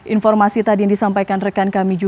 informasi tadi yang disampaikan rekan kami juga